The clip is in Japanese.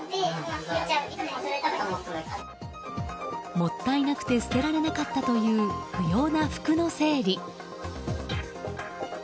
もったいなくて捨てられなかったという不要な服の整理。